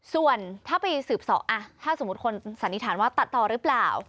ส่วนถ้าไปสืบสอบถ้าสมมุติคนสันนิษฐานว่าตัดต่อหรือเปล่า